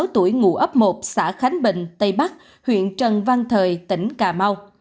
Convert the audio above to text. bốn mươi sáu tuổi ngụ ấp một xã khánh bình tây bắc huyện trần văn thời tỉnh cà mau